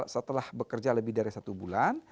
setelah bekerja lebih dari satu bulan